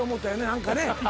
何かね。